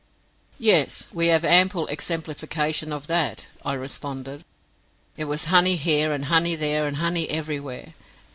"Yes; we have ample exemplification of that," I responded. It was honey here and honey there and honey everywhere.